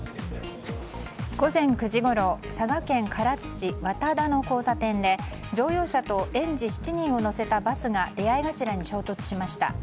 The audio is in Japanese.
午前９時ごろ佐賀県唐津市和多田の交差点で乗用車と園児７人を乗せたバスが出合い頭に衝突しました。